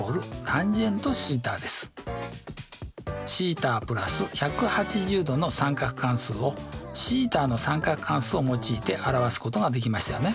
θ＋１８０°の三角関数をθの三角関数を用いて表すことができましたよね。